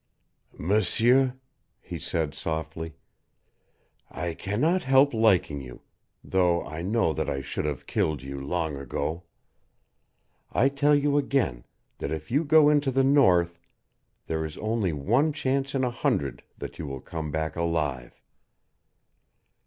"M'seur," he said softly, "I can not help liking you, though I know that I should have killed you long ago. I tell you again that if you go into the North there is only one chance in a hundred that you will come back alive.